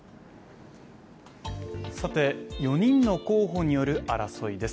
さて、４人の候補による争いです。